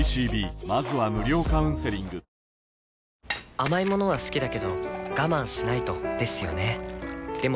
甘い物は好きだけど我慢しないとですよね